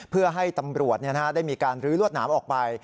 เพื่อให้ตำรวจได้มีการลื้อรวดหนามออกไป